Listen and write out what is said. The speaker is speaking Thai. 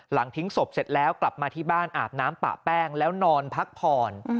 ทิ้งศพเสร็จแล้วกลับมาที่บ้านอาบน้ำปะแป้งแล้วนอนพักผ่อน